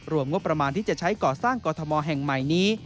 งบประมาณที่จะใช้ก่อสร้างกรทมแห่งใหม่นี้